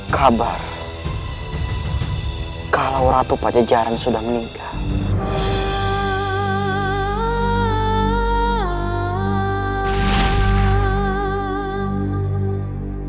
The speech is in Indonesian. kabar kalau ratu pajajaran sudah meninggal